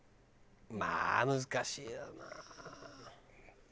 まあ難しいよな。